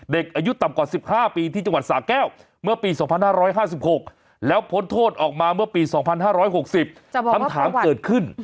เด็กอายุต่ำกว่าสิบห้าปีที่จังหวัดสาหกแก้วเมื่อปีสองพันห้าร้อยห้าสิบหก